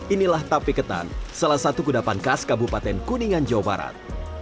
inilah tape ketan salah satu kudapan khas kabupaten kuningan jawa barat